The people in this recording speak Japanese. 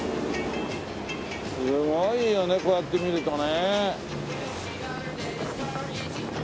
すごいよねこうやって見るとね。